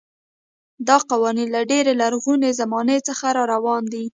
دا قوانین له ډېرې لرغونې زمانې څخه راروان دي.